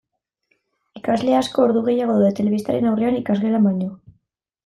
Ikasle asko ordu gehiago daude telebistaren aurrean ikasgelan baino.